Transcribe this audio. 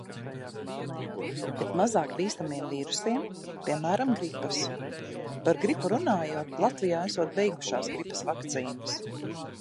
Bet mazāk bīstamiem vīrusiem, piemēram, gripas. Par gripu runājot, Latvijā esot beigušās gripas vakcīnas.